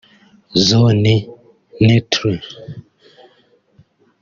‘zone neutre’